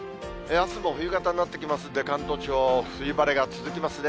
あすも冬型になってきますんで、関東地方、冬晴れが続きますね。